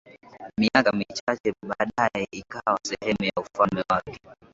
Miaka michache baadae ikawa sehemu ya ufalme wake